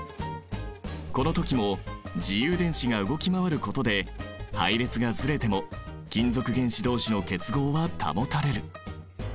この時も自由電子が動き回ることで配列がずれても金属原子どうしの結合は保たれる。